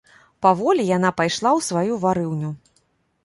Паволі яна пайшла ў сваю варыўню.